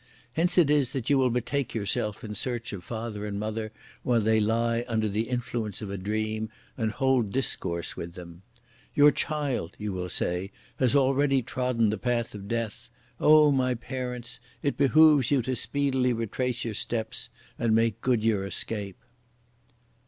Hence it is that you will betake yourself in search of father and mother, while they lie under the influence of a dream, and hold discourse with them. "Your child," you will say, "has already trodden the path of death! Oh my parents, it behoves you to speedily retrace your steps and make good your escape!"